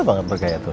dia banget bergaya tuh